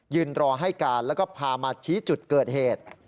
รอให้การแล้วก็พามาชี้จุดเกิดเหตุ